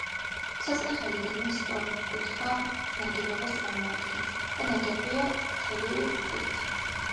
საწნახელი გეგმით სწორკუთხა ნაგებობას წარმოადგენს და ნაგებია ფლეთილი ქვით.